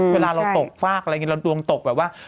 เวลาเราตกฟากอะไรอย่างนี้เราดวงตกแบบว่า